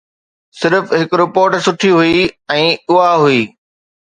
صرف هڪ رپورٽ سٺي هئي ۽ اها هئي.